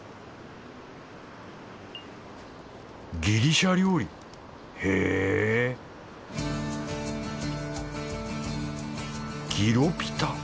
ギリシャ料理へぇギロピタ？